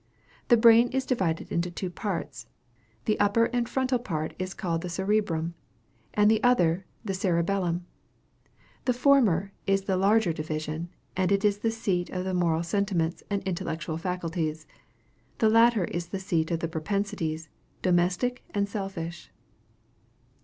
The brain is divided into two parts; the upper and frontal part is called the cerebrum, the other the cerebellum. The former is the larger division, and is the seat of the moral sentiments and intellectual faculties. The latter is the seat of the propensities, domestic and selfish.